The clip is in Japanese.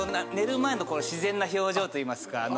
前のこの自然な表情といいますかあの。